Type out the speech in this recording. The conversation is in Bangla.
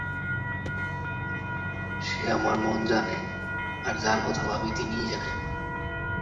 সে আমার মন জানে, আর যাঁর কথা ভাবি তিনিই জানেন।